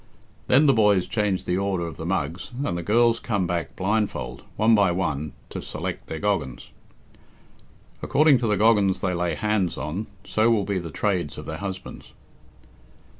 Then the boys change the order of the mugs, and the girls come back blindfold, one by one, to select their goggans. According to the goggans they lay hands on, so will be the trades of their husbands.